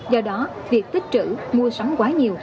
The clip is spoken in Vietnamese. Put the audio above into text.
do đó việc tích trữ mua sắm quá nhiều